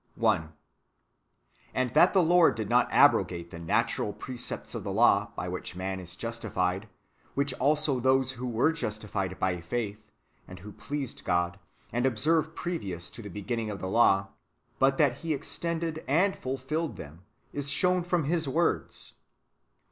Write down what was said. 1. And that the Lord did not abrogate the natural [pre cepts] of the law, by which man^ is justified, which also those who were justified by faith, and who pleased God, did ob serve previous to the giving of the law, but that He extended and fulfilled them, is shown from Plis words.